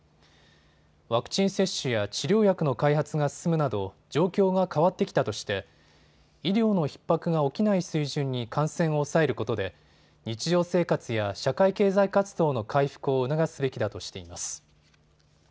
ワクチン接種や治療薬の開発が進むなど状況が変わってきたとして医療のひっ迫が起きない水準に感染を抑えることで日常生活や社会経済活動の回復を促すべきだとしています。